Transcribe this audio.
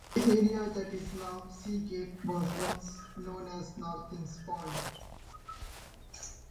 The area that is now Sea Gate was once known as Norton's Point.